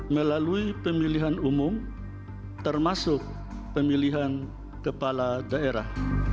melalui pemilihan umum termasuk pemilihan kepala daerah